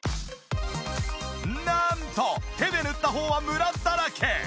なんと手で塗った方はムラだらけ！